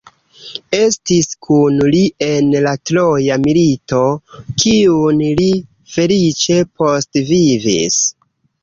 Estis kun li en la Troja milito, kiun li feliĉe postvivis.